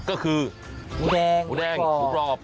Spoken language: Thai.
ก็คือหมูแดงหมูแดงหมูกรอบ